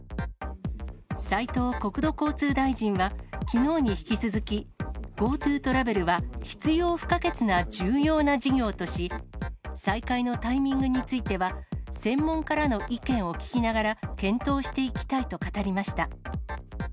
斉藤国土交通大臣は、きのうに引き続き、ＧｏＴｏトラベルは必要不可欠な重要な事業とし、再開のタイミングについては、専門家らの意見を聞きながら検討していきたいと語りました。